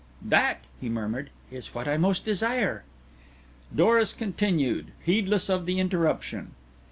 "That," he murmured, "is what I most desire." Doris continued, heedless of the interruption.